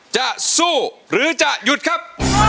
จะสู้หรือจะหยุดครับ